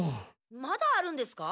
まだあるんですか？